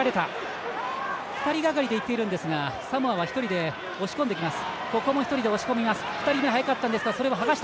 ２人がかりでいっているんですがサモアは１人で押し込んでいます。